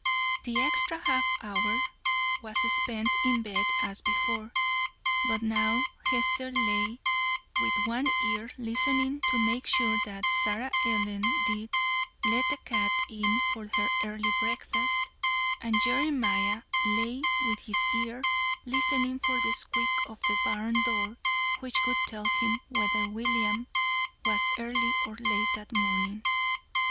The extra half hour was spent in bed as before but now Hester lay with one ear listening to make sure that Sarah Ellen did let the cat in for her early breakfast; and Jeremiah lay with his ear listening for the squeak of the barn door which would tell him whether William was early or, late that morning.